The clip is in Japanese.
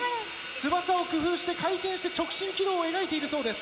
翼を工夫して回転して直進軌道を描いているそうです。